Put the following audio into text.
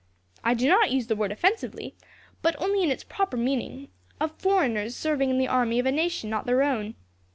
I do not use the word offensively, but only in its proper meaning, of foreigners serving in the army of a nation not their own.